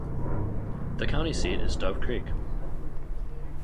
The county seat is Dove Creek.